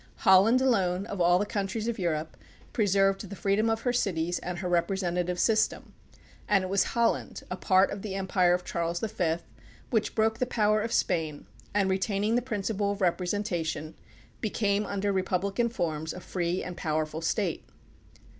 Holland alone, of all the countries of Europe, preserved the freedom of her cities and her representative system, and it was Holland, a part of the empire of Charles V, which broke the power of Spain, and retaining the principle of representation, became under republican forms a free and powerful state.